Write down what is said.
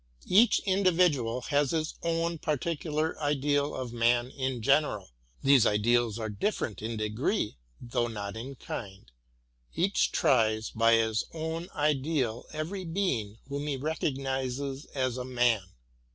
Each individual has his own particular ideal of man in general ; these ideals are different in degree, though not in kind; each tries by his own ideal every being whom he recognises as a man.